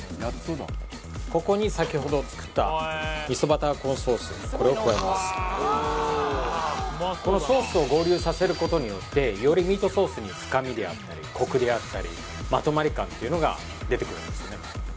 ここに先ほど作ったこのソースを合流させることによってよりミートソースに深みであったりコクであったりまとまり感っていうのが出てくるんですよね